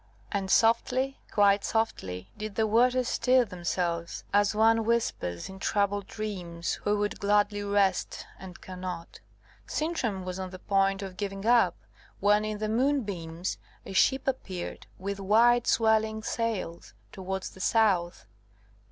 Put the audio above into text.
And softly, quite softly, did the waters stir themselves, as one whispers in troubled dreams who would gladly rest and cannot. Sintram was on the point of giving up, when in the moonbeams a ship appeared, with white swelling sails, towards the south.